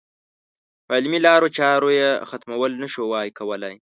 په علمي لارو چارو یې ختمول نه شوای کولای.